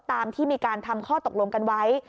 ตามที่มีการทำข้อตกลงกันไว้